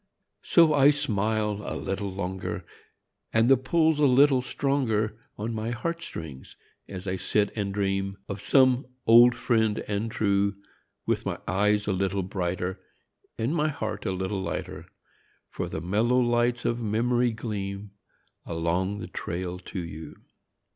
S O I smile a little longer, And the pull's a little stronger On mg heart strings as I sit and ] dream of some old "friend and true °(Dith mg eges a little brighter And mg heart a little lighter, por the mellow lights OT memorij qleam Aloncj the trail to gou.